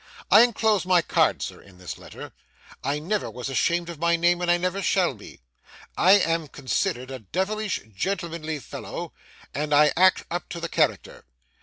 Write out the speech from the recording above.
'I enclose my card, sir, in this letter. I never was ashamed of my name, and I never shall be. I am considered a devilish gentlemanly fellow, and I act up to the character.